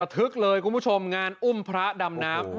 ทึกเลยคุณผู้ชมงานอุ้มพระดำน้ำ